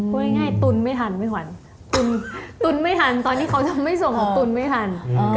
พูดง่ายตัวตรงนี้จะไม่ส่งผลไม่ทัน